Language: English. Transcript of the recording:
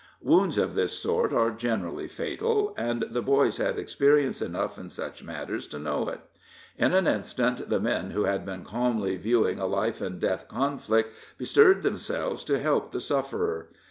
Wounds of this sort are generally fatal, and the boys had experience enough in such matters to know it. In an instant the men who had been calmly viewing a life and death conflict bestirred themselves to help the sufferer.